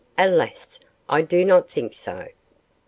Alas! I do not think so.